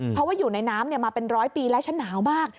เพราะว่าอยู่ในน้ำมาเป็นร้อยปีแล้วฉันหนาวมาก